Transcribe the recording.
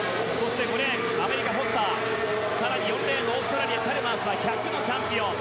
５レーンのアメリカフォスターと更に４レーンのオーストラリアファルマースは１００のチャンピオン。